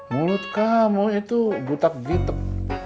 mulut kamu itu butak bitek